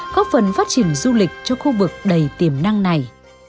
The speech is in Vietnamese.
có phần phát triển du lịch cho khu vực đầy tiềm năng này